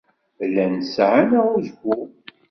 Llan sεan aɣujbu.